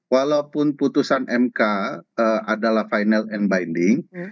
walaupun putusan mk adalah final and binding